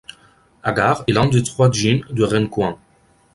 Agares est l'un des trois Djinns de Ren Kouen.